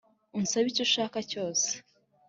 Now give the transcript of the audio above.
unsabe icyo ushaka cyose